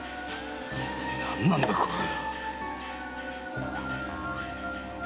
何なんだこれ？